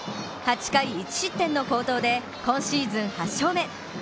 ８回１失点の好投で今シーズン８勝目。